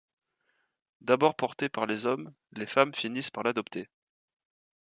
D'abord porté par les hommes, les femmes finissent par l'adopter.